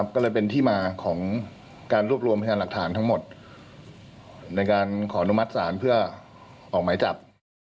ก็เลยเป็นที่มาของการรวบรวมพยานหลักฐานทั้งหมดในการขออนุมัติศาลเพื่อออกหมายจับ